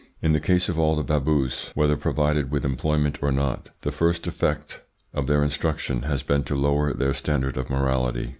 In the case of all the Baboos, whether provided with employment or not, the first effect of their instruction has been to lower their standard of morality.